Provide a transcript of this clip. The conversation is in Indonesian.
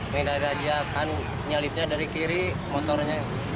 dihindari rajia kan nyalipnya dari kiri motornya